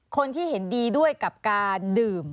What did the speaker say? คนที่เห็นดีด้วยกับการดื่ม